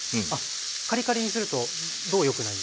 カリカリにするとどう良くないんですか？